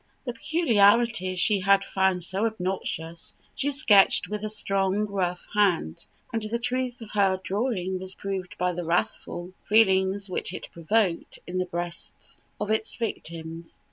The peculiarities she had found so obnoxious she sketched with a strong, rough hand; and the truth of her drawing was proved by the wrathful feelings which it provoked in the breasts of its victims.